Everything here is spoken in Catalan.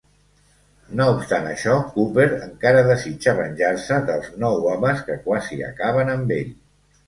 No obstant això, Cooper encara desitja venjar-se dels nou homes que quasi acaben amb ell.